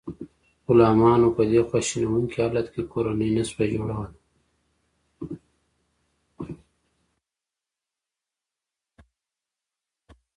غلامانو په دې خواشینونکي حالت کې کورنۍ نشوای جوړولی.